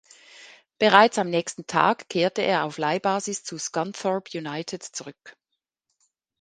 Bereits am nächsten Tag kehrte er auf Leihbasis zu Scunthorpe United zurück.